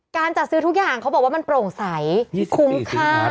การจัดซื้อทุกอย่างเขาบอกว่ามันโปร่งใสคุ้มค่า